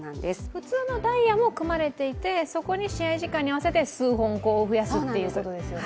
普通のダイヤも組まれていてそこに試合時間に合わせて数本増やすということですよね。